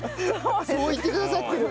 そう言ってくださってる。